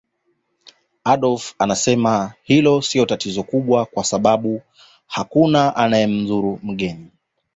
Adolf anasema hilo sio tatizo kubwa kwa sababu hakuna anayemdhuru mgeni